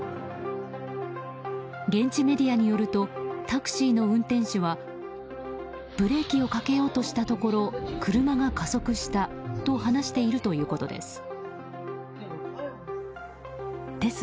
現地メディアによるとタクシーの運転手はブレーキをかけようとしたところ車が加速したと話しているということです。